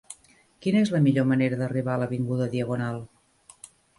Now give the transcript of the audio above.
Quina és la millor manera d'arribar a l'avinguda Diagonal?